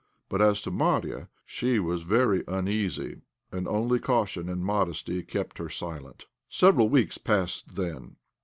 But as to Marya, she was very uneasy, and only caution and modesty kept her silent. Several weeks passed thus.